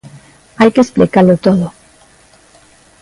Hai que explicalo todo.